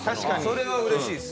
それは嬉しいです。